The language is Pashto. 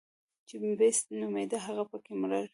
چې بېسټ نومېده هغه پکې مړ و.